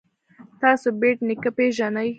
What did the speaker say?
تاسو بېټ نیکه پيژنئ.